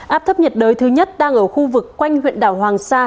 áp thấp nhiệt đới thứ nhất đang ở khu vực quanh huyện đảo hoàng sa